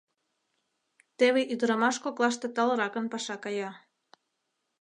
Теве ӱдырамаш коклаште талыракын паша кая...